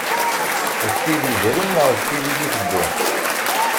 D tid yezrin neɣ tid i d-iteddun.